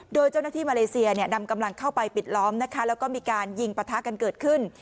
โดยเจ้าหน้าที่มาเลเซียนำกำลังเข้าไปปิดล้อมนะคะแล้วก็มีการยิงปะทะกันเกิดขึ้น